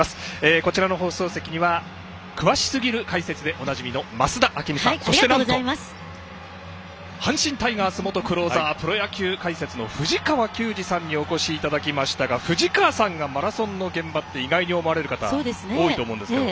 こちらの放送席には詳しすぎる解説でおなじみの増田明美さん、そして阪神タイガース元クローザープロ野球解説の藤川球児さんにお越しいただきましたが藤川さんがマラソンの現場って意外に思われる方多いと思います。